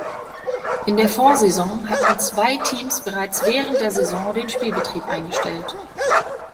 In der Vorsaison hatten zwei Teams bereits während der Saison den Spielbetrieb eingestellt.